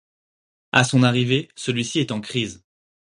À son arrivée celui-ci est en crise.